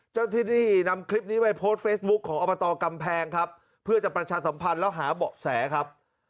เจ้าหน้าที่ได้นำคลิปนี้ไปโพสต์เฟซบุ๊คของอบตกำแพงครับเพื่อจะประชาสัมพันธ์แล้วหาเบาะแสครับ